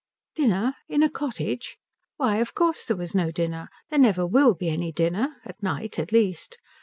"Dinner? In a cottage? Why of course there was no dinner. There never will be any dinner at night, at least.